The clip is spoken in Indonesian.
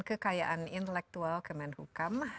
kekayaan intelektual kemenhukam